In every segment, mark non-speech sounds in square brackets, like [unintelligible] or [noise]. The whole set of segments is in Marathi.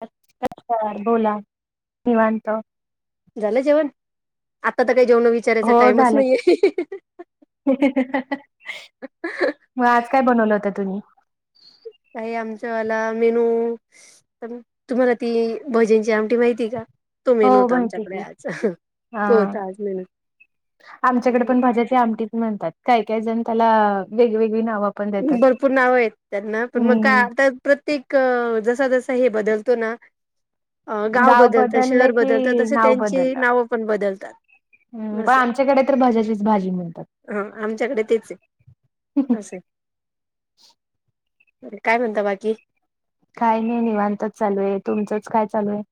अच् [unintelligible] बोला निवांत. झालं जेवण आता तर काही जेवण वि हो झालं की. [unintelligible] मग आज काय बनवलं होतं तुम्ही? काही आमच आला मेनू तुम्हाला ती भजंनची आमट माहिती का? तो हो मेनू होता माहिती आमच्याकडे की आज हा तो होता आज मेनू. आमच्याकडे पण भाज्यांची ते आमटीच म्हणतात काय काय जण त्याला वेगवेगळी नावं पण देतात भरपूर नावं आहेत त्यांना पण मग का हम्म आता प्रत्येक जसा जसा हे बदलतो ना. अ गाव बदलतं बदललं शहर बदलतं की तसे नाव त्यांची बदललं नावं पण बदलतात. हम्म [inaudible] पण स आमच्याकडे तर भाज्याचीच भाजी म्हणतात ह आमच्याकडे तेच आहे. हां से. अ काय म्हणता बाकी? काय नाही निवांतच चालू आहे तुमचंच काय चालू आहे?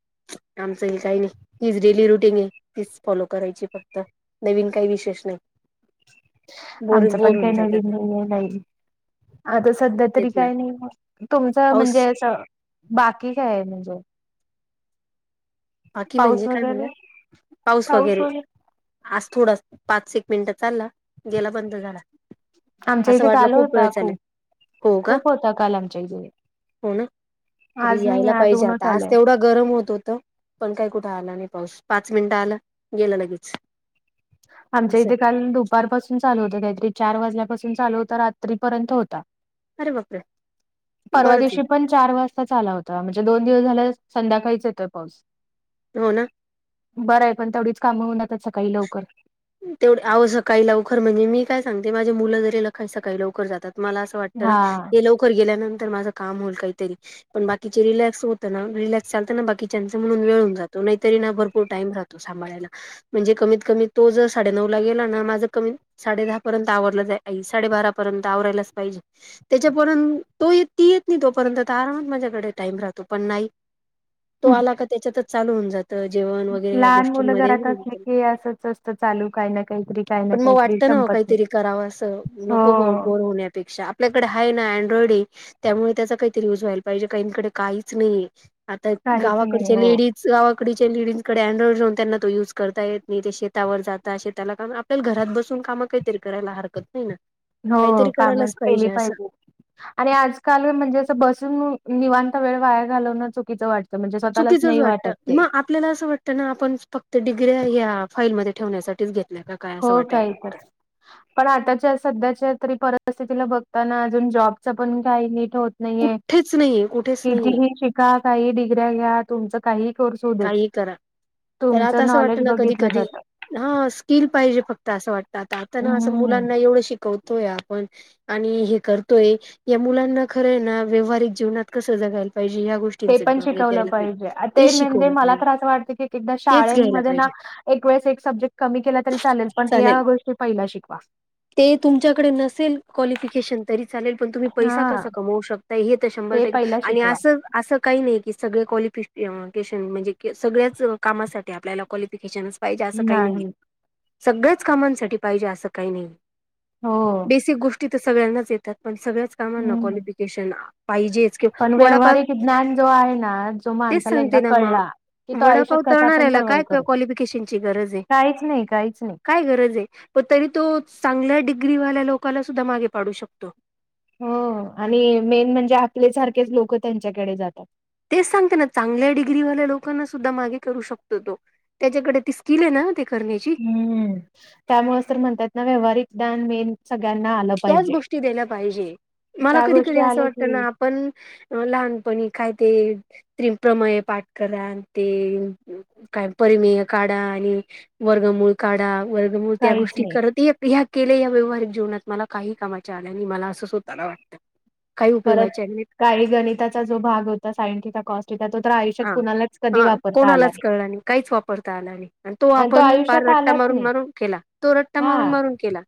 आमचं हे काही नाही हीच डेली रुटीन आहे तीच फॉलो करायची फक्त. नवीन काही विशेष नाही. बोरिंग आमचं बोर पण होऊन काही जातात नाही ते नाही. आता सध्या तरी तेच ना काय नाही तुमचं पाऊस म्हणजे अस. बाकी काय आहे म्हणजे. बाकी म्हणजे पाऊस काय म्हणला वगैरे पाऊस वगैरे. आज थोडा पाच एक मिनिटं चालला गेला बंद झाला. आमच्या असं इथे वाटलं काल वेळ होता चालेल खूप हो का खूप होता काल आमच्या इथे. तरी आज नाही यायला आज पाहिजे ऊनच आता आज आलंय तेवढं. गरम होत होत पण काय कुठे आला नाही पाऊस पाच मिनिट आलं गेलं लगेच. आमच असं आहे. इथे काल दुपारपासून चालू होतं काहीतरी चार वाजल्यापासून चालू होतं रात्रीपर्यंत होता. अरे बापरे [inaudible] परवा बरंच आहे दिवशी पण. चार वाजता चाला होता म्हणजे दोन दिवस झाल्या संध्याकाळीच येतोय पाऊस. हो ना. बरं आहे पण तेवढीच कामं होऊन आात सकाळी लवकर. तेवढ आह सकाळी लवकर म्हणजे मी काय सांगते माझे मुलं जरी ल सकाळी लवकर जातात मला अस. वाटत ना हा ते लवकर गेल्यानंतर माझं काम होईल काहीतरी. पण बाकीचे रिलॅक्स होत ना रिलॅक्स चालत ना बाकीच्या म्हणून वेळून जातो नाहीतरी ना भरपूर टाईम राहतो. सांाला म्हणजे कमीत कमी तो ज साडे नऊ ला गेला ना माझं क. साडे दहा पर्यंत आवरलं जा साडेबारा पर्यंत आवरायलाच पाहिजे. त्याच्यापर्यंत तो येत ती येत नाही तोपर्यंत आरामात माझ्याकडे टाइम राहतो पण नाही. तो आला का त्याच्यातच चालू होऊन जातं जेव्हा. लहान मुलं घरात असली की असंच असतं चालू काही ना काहीतरी. काही ना पण मग काहीतरी वाटतं ना संपत नाही काहीतरी करावं असं नको हो बोर होण्यापेक्षा. आपल्याकडे आहे ना अँड्रॉइड आहे त्यामुळे त्याचा काहीतरी युज व्हायला पाहिजे काहीकडे काहीच नाही. आता काहीच नाही गावाकडच्या हो लेडीज गावाकडच्या लेडीजकडे अँड्रॉइड जाऊन त्यांना तो युज करता येत नाही ते श. त्यावर जाता असे त्याला काम आपल्याला घरात बसून काम काहीतरी करायला हरकत नाही ना. हो काहीतरी कामच करायलाच केली असं पाहिजे. आणि आजकाल म्हणजे असं बसून निवांत वेळ वायार घालवणं चुकीचं वाटतं. म्हणजे स्वतःच चुकीचंच नाही वाटत वाटतं ते. मग आपल्याला असं वाटतं ना आपण फक्त डिग्री ह्या फाईलमध्ये ठेवण्यासाठीच घेतो. हो कायतर. पण आताच्या सध्याच्या तरी परिस्थितीला बघताना अजून जॉबच पण काही नीट होत. नाहीये कुठेच नाहीये कुठेच नाहीये कितीही शिका काही डिग्र्या घ्या. तुमच काही कोर्स हो देत काही करा त्याला तुमचं आता असं नॉलेज वाटतं ना कधी बघितलं कधी जातं. हा स्किल पाहिजे फक्त असं वाटतं आता आता ना असं हम्म मुलांना एवढं शिकवतोय आपण. आणि हे करतोय या मुलांना खरंय ना व्यवहारिक जीवनात कसं जगायला पाहिजे ह्या गोष्टी. ते पण शिकवलं पाहिजे आता. मला पाहिजे ख वाट तेच घ्यायला शामध्ये ना पाहिजे एक वेळेस एक सब्जेक्ट कमी केला तरी चालेल पण ह गो. पहिला शिकवा. ते तुमच्याकडे नसेल क्वालिफिकेशन तरी चालेल पण तुम्ही पैसा हा कसा कम होऊ शकते हे तर शंभर ते टक्के पहिला आणि शिकवा अस असं काही नाही की सगळे कवालिफ. म्हण सगळ्याच कामासाठी आपल्याला क्लिफिकेशन पाहिजे असं काही नाहीय. नाही सगळ्याच कामांसाठी पाहिजे असं काही नाही हो बेसिक गोष्टी तर सगळ्यांनाच येतात. पण सगळ्याच कामांना हम्म क्वालिफिकेशन पाहिजेच पण किंवा वडापा व्यावहारिक ज्ञान जो आहे ना जो माणस. त्याला एकदा ना कळला मग की तो आयुष्यात वडापाव कसा आपण तळणाऱ्याला सर्वाइव काय करतो क्वालिफिकेशनची गरज आहे. [inaudible] काहीच नाही काहीच नाही. काय गरज आहे पण तरी तो चांगल्या डिग्रीवाल्या लोकला सुद्धा मागे पाडू शकतो. हो आणि मेन म्हणजे आपल्या सारखेच लोक त्यांच्याकडे जातात. तेच सांगते ना चांगल्या डिग्रीवाल्या लोकांना सुद्धा मागे करू शकतो तो. त्याच्याकडे ती स्किल आहे ना ते करण्याची. ह् त्यामुळे तर म्हणतात ना व्यावहारिक जान मेन सगळ्यांना आलं. त्याच पाहिजे गोष्टी पाहिजे मला त्या कधी गोष्टी कधी अस आल्या वाट. की पण लहानपणी काय ते. त्रिप्रमय पाठ करा ते काय परमेह काढा आणि वर्गमूळ काढा. वर्गमू त्या काहीच गोष्टी नाही करत ह्या केल्या या व्यवहारिक जीवनात. मला काही कामाच्या आल्या आणि मला असं स्वतःला वाटतं काही परत उपयोगाचे आणि. काही गणिताचा जो भाग होता साइन थिटा कॉस थिटा तो तर आयुष्यात हा कुणालाच कधी हा वापरता आला कोणालाच कळला नाही काहीच वापरता आला नाही तो आणि आपण पार आयुष्यात रट्टा आलाच मारून नाही मारून केला तो रट्टा मारून हा मारून केला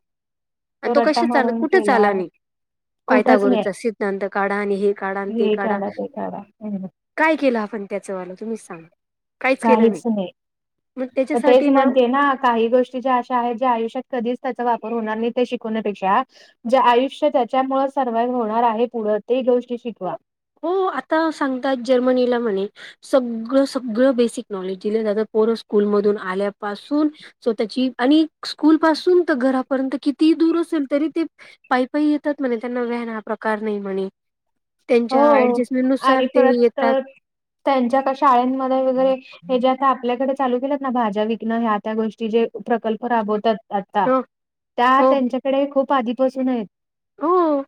आणि तो कश रट्टा चाल मारून कुठेच केला आला नाही कुठंच नाही पायथागोरसचा सिद्धांत काढा आणि हे काढा आणि ते हे काढा ते काढा काय केलं आपण त्याच मला तुम्हीच सांगा काहीच नाही मग पण तेच त्याच्यासाठी म्हणते ना काही गोष्टी हे ज्या आशा आहेत ज्या आयुष्या कधीच त्याचा वापर होणार नाही ते शिकवण्यापेक्षा जे आयुष्य त्याच्यामुळे सर्वाइव्ह होणार आहे पुढं ते गोष्टी शिकवा हो आता सांगतात जर्मनीला म्हणे सगळं सगळं बेसिक नॉलेज दिल जात पोर स्कूल मधून आल्यापासून स्वतःची आणि स्कूल पासून तर घरापर्यंत किती दूर असेल तरी ते पायी पायी येतात म्हणे त्यांना व्हॅन हा प्रकार नाही म्हणे त्यांच्या हो ऍडजस्टमेंट नुसार आणि ते परत येतात त्यांच्या का शाळमध्ये वगैरे हे जे आता आपल्याकडे चालू केलंत ना भाज्या विकणं ह्या त्या गोष्टी जे प्रकल्प राबवतात आता, हो त्या हो त्यांच्याकडे खूप आधीपासून आहेत हो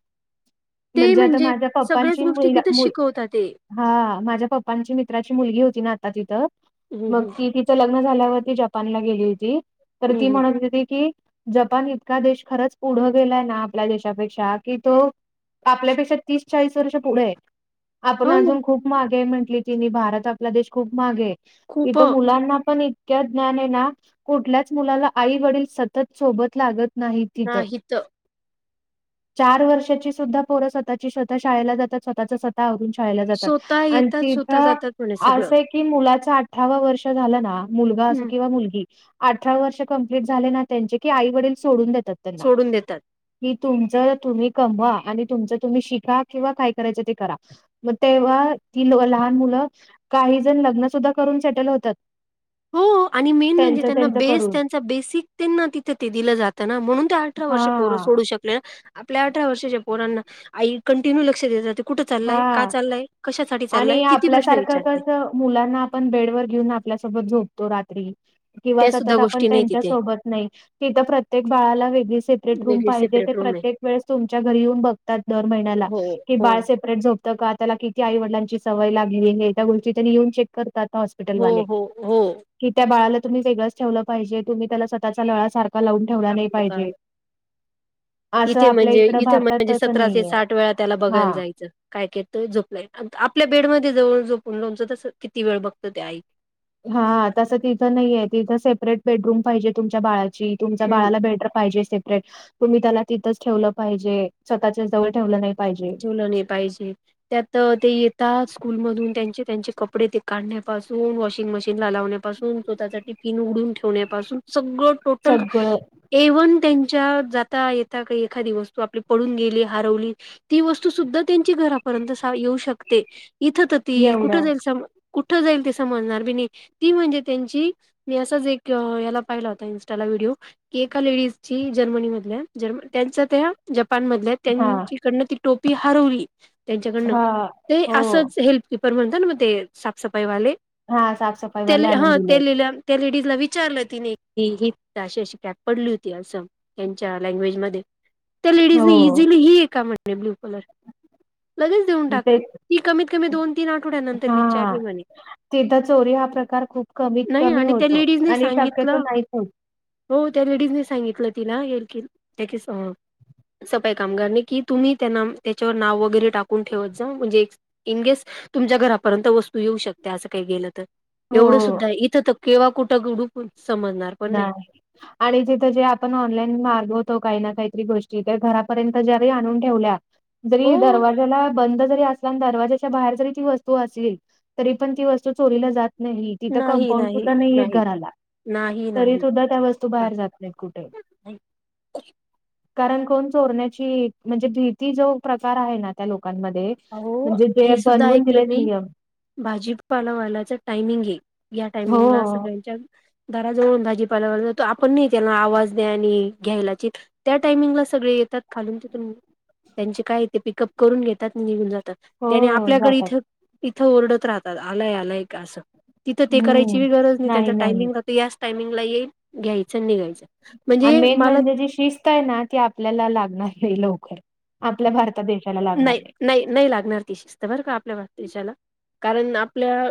ते म्हणजे आता माझ्या सगळ्याच पप्पांची गोष्टी मुला तिथेच मु शिकवतात ते हा माझ्या पप्पांची मित्राची मुलगी होती ना आता तिथं हम्म मग हम्म ती लग्न झाल्यावरती जपानला गेली होती तर ती हम्म म्हणत होती की. जपान इतका देश खरंच पुढं गेलाय ना आपल्या देशापेक्षा कि तो आपल्यापेक्षा तीस-चाळीस. र्ष पुढे [inaudible] आपण हम्म हो अजून खूप मागे म्हटली ति भारत आपला देश खूप मागे आहे. खूप इथं मुलांना पण. ज्ञा कुठल्याच मुलाला आई वडील सतत सोबत लागत. नाही तिथ नाहीत [inaudible] चार वर्षाची सुद्धा पोर स्वतःची स्वतः शाळेला जातात स्वतःच स्वतः आवरून शाळेला जातात स्वतः आणि येतात, स्वतः तिथं जातात म्हणे सगळं. असे की. की मुलाचा अठ्ठावा वर्ष झाला ना मुलगा असो हं. किंवा मुलगी. अठरा वर्ष कंप्लीट झाले ना त्यांचे की आई-वडील सोडून देतात त्यांना सोडून देतात. [inaudible] की तुमचं तुम्ही कमवा आणि तुमचं तुम्ही शिका किंवा काय करायच ते करा. मग तेव्हा ती ल लहान मुलं काही जण लग्न सुद्धा करून सेटल होतात. हो आणि मेन त्यांच म्हणजे त्यांना त्यांच बेस करून त्यांचा बेसिक त्यांना तिथे ते दिलं जातं ना म्हणून ते अठरा हा वर्ष. पोर सोडू शकले आपल्या अठरा वर्षाच्या पोरांना आई कंटिन्यू लक्ष देतात. कुठं चालय? का हा. चालय? कशासाठी चाललाय? आणि किती प्रश्न आपल्यासारखं विचारते. कसं मुलांना आपण बेड वर घेऊन आपल्यासोबत झोपतो रात्री. किंवा त्या सुद्धा सतत आपण गोष्टी नाही त्यांच्या तिथे. सोबत नाही. तिथं प्रत्येक बाळाला वेगळी सेपरेट रूम वेगळी पाहिजे ते सेपरेट रूम आहे. प्रत्येक वेळेस तुमच्या घरी येऊन बघतात दर महिन्याला. हो. की हो. बाळ सेपरेट झोपतं का त्याला किती आई वडलांची सवय लागली आहे त्या गोष्टी त्यांनी येऊन चेक करत आता. हो, हो, हो. क त्या बाळाला तु् वेगळंच ठेवलं पाहिजे तुम्ही त्याला स्वतःचाळाारख लाउन. ठेवला नाही सांगतो का पाहिजे. असं इथे आपल्या म्हणजे इकडं इथे भारतात म्हणजे तसं सतरा ते नाहीये साठ वेळा त्याला हा. बघायला जायचं काय. झोपलाय आपल्या बेडमध्ये जळ जोपून लवनच तस किती वेळ बघतं ते आई. हा तसं तिथं नाहीय तिथं सेपरेट बेडरूम पाहिजे तुमच्या बाळाची. तुमच्या हम्म बाळाला बेटर पाहिजे. तुम्ही त्याला तिथंच ठेवलं पाहिजे स्वतःच्या जवळ ठेवलं नाही पाहिजे. ल नाही पाहिजे. त्यात ते येतात स्कूल मधून त्यांचे त्यांचे कपडे ते काढण्यापासून वॉशिंग मशीन ला लावण्या. स्व त्या टििन उडून ठेवण्यापासून सगळं टोटल. सगळं एव्हन त्यांच्या जाता येता काही एखादी वस्तू आपली पडून गेली हरवली. ती वस्तू सुद्धा त्यांची घरापर्यंत येऊ शकते इथं तर ती कुठं एवढ्या जाईल सम. कुठं जाईल ते समजणार बी नाही ती म्हणजे त्यांची. मी असाच एक याला पाहिला होता इन्स्टाला व्हिडिओ. की एका लेडीजची जर्मनी मध ज त्यांच ते जपान मध हां, त्यांकडन ती टोपी हरवली त्यांच्याकडन हां. ते हो. असंच हेल्प. पपर म्हणत ना मग ते साफसफाई वाले. हा साफसफाईवाले आनंद दिलेेतते. त्या लेडीजला विचारलं तिने की ही अशी अशी कॅप पडली होती असं. त्यांच्या लँग्वेज म त्या लेडीज हो. इझिली हि आहे का म्हणणे ब्लू कलर. लगेच देऊन टाकली तेच ती कमीत कमी दोन तीन आठवड्यानंतर हां. विचारली मणे. तिथं चोरी हा प्रकार खूप कमीत नाही कमी आणि त्या होतो लेडीजने आणि शक्यतो सांगितलं नाही प. हो त्या लेडीज सांगितलं तिला येईल कि त्या सफई कामगारणे की. तुम्ही त्यांना त्याच्यावर नाव वगैरे टाकून ठेवत जा म्हणजे. इन केेस तुमच्या घरापर्यंत वस्तू येऊ शकते असं काही गेलं तर. हो. एवढं सुद्धा आहे इथं तर केवा कुठं गवडू समजणार. नाही. आणि जिथं जे आपण ऑनलाईन मार्ग होतो काही ना काहीतरी गोष्टी ते घरापर्यंत ज्यारी आणून ठेवल्या. हो तरी दरवाजेला. बंद जरी अस दरवाज्याच्या बाहेर जरी ती वस्तू असल तरी पण ती वस्तू चोरीला जात नाही तिथं नाही कंपाऊंड नाही सुद्धा नाहीयेत नाही घराला. नाही तरी नाही सुद्धा त्या वस्तू का? बाहेर जात नाहीत कुठे. नाही. [inaudible] कारण कोण चोरण्याची म्हणजे भीती जो प्रकार आहे ना त्या लोकांमध्ये. अहो म्हणजे जे बनवून दिलेत नियम. भाजीपालावाल्याच टायमिंग आहे या हो टायमिंगला सगळ्यांच्या. दराजवन भाजीपाल्यावरो आपण नाही त्याना आवाज द्या आणि घ्यायलाची. त्या टायमिंगला सगळे येतात खालून तिथून त्यांचे काय ते पिकअप करून घेतात. त्यात निघून जातात हो त्याने आपल्याकडे जातात इथ इथं ओरडत राहतात आलाय आलाय का असं. तिथं ते करायची गरज नाही, त्यांचा टायमिंग राहतो याच टायमिंगला येईल घ्यायच निघायचं. आणि म्हणजे मेन मला म्हणजे जी शिस्त आहे ना, ती आपल्याला लागणार ह लवकर आहे आपल्या भारतात. तर देशाला लागणार नाही. नाही नाही, लागणार ती शिस्त बरं का आपल्या देशाला. कारण, आपल्या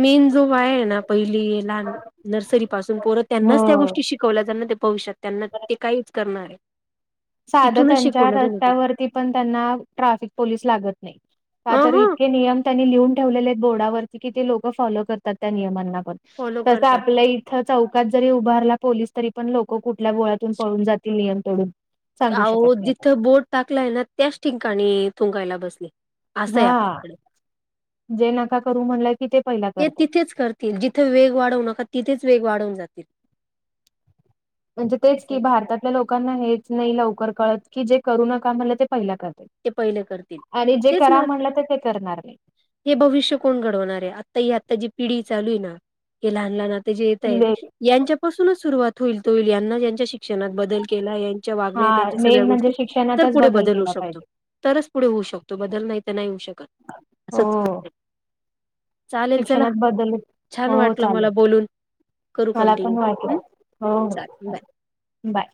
मेन जो वाय आहे ना पहिली लहान नर्सरी पासून पोर त्यांनाच त्या हो. गोष्टी शिक शिकवला जनार ते पाहू शकत त्यांना ते काहिच करणार आहे. साध तिथूनच त्यांच्या शिकवलं जाणार ते. रस्त्यावरती पण त्यांना ट्राफिक पोलिस लागत नाही, का अ तर हं इतके नियम त्यांनी लिहून ठेवलेले आहेत. बोर्डावरती कि लोक फॉलो करतात, त्या नियमांना पण फॉलो तस करतात. आपल्या इ चौकात जरी उभारला पोलीस तरी, पण लोक कुठल्या बोळ्यातून पळून जातील नियम तोडून सांगू आहो शकत नाही आपण. जिथं बोट टाकलाय ना त्याच ठिकाणी थुंकायला बसले असं आहे हां आपल्याकडे. जे नका करू म्हणलंय कि ते पहिला करतात. तिथेच करतील जिथे वेग वाढवू नका तिथेच वेग वाढवून जातील. म्हणजे तेच असं की आहे भारतातल्या लोकांना हेच नाही लवकर कळत की जे करू नका म्हणलं ते पहिला कर ते पहिले करतील. आणि जे तेच करा मला म्हणलं तर ते करणार नाही. हे भविष्य कोण घडवणार आहे, आता ही आत्ताची पिढी चालू आहे ना हे लहान लहान आता जे येत आहेत. नाही. यांच्यापासूनच सुरुवात होईल होईल यांना यांच्या शिक्षणात बदल केलाय त्यांच्या हा वागण्यात, त्यांच्या सगळ्या मेन म्हणजे गोष्टी तर शिक्षणातच पुढे बदल होऊ केला शकतो. पाहिजे. तरच पुढे होऊ शकतो बदल नाही तर नाही होऊ शकत हो असच शिक्षणात बदल छान हो वाटलं चालेल. मला बोलून करू मला कंटिन्यू पण वाटलं हम्म हो चालेल हो बाय बाय.